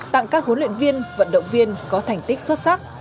tặng các huấn luyện viên vận động viên có thành tích xuất sắc